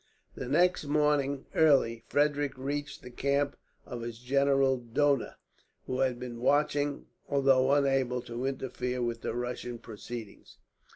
The next morning, early, Frederick reached the camp of his general Dohna; who had been watching, although unable to interfere with the Russians' proceedings.